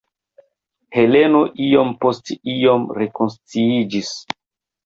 Heleno iom post iom rekonsciiĝis.